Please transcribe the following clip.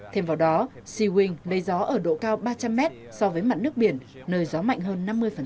thêm vào đó si wing lấy gió ở độ cao ba trăm linh mét so với mặt nước biển nơi gió mạnh hơn năm mươi